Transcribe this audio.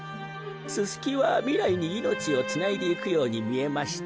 ススキはみらいにいのちをつないでいくようにみえました。